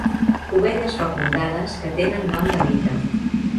Ovelles fecundades que tenen nom de mite.